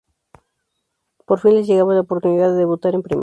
Por fin le llegaba la oportunidad de debutar en Primera.